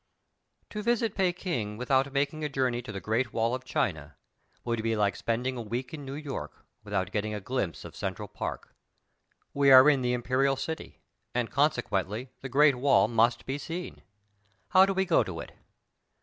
visit Pekin without making a journey to the great wall of China would be like spending a week in New York without getting a glimpse of Central park. We are in the imperial city, and conse quently the great wall must be seen. How do we go to it